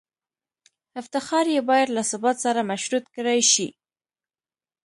افتخار یې باید له ثبات سره مشروط کړای شي.